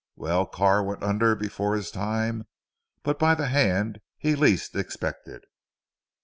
Well Carr went under before his time but by the hand he least expected."